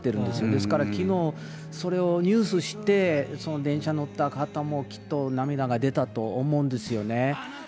ですからきのう、それをニュースで知って電車乗った方もきっと涙が出たと思うんですよね。